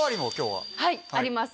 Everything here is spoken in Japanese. はいあります。